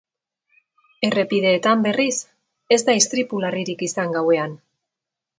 Errepideetan, berriz, ez da istripu larririk izan gauean.